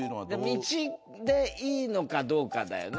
道でいいのかどうかだよね。